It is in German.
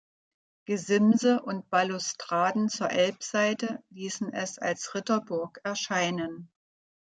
Gesimse und Balustraden zur Elbseite ließen es als Ritterburg erscheinen.